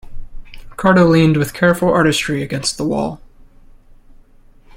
Ricardo leaned with careful artistry against the wall.